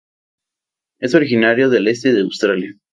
Es originario del este de Australia.